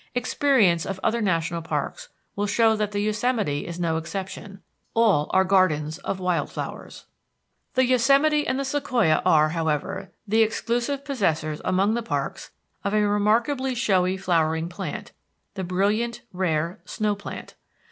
Experience of other national parks will show that the Yosemite is no exception; all are gardens of wild flowers. The Yosemite and the Sequoia are, however, the exclusive possessors among the parks of a remarkably showy flowering plant, the brilliant, rare, snow plant.